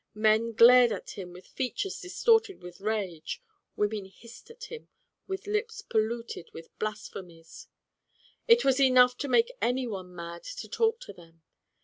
Men glared at him with features distorted with rage, women hissed at him with lips polluted with blasphe mies. It Avas enough to make anyone mad to talk to them.